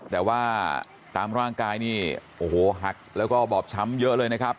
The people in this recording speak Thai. แต่ว่าตามร่างกายนี่โอ้โหหักแล้วก็บอบช้ำเยอะเลยนะครับ